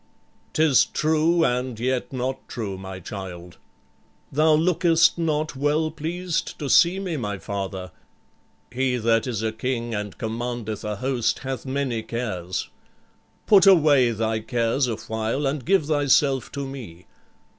"'Tis true and yet not true, my child." "Thou lookest not well pleased to see me, my father." "He that is a king and commandeth a host hath many cares." "Put away thy cares awhile and give thyself to me."